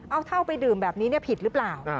เอาเท่าไปดื่มแบบนี้ผิดหรือเปล่า